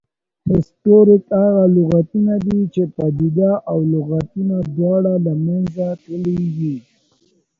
هسټوریک هغه لغتونه دي، چې پدیده او لغتونه دواړه له منځه تللې وي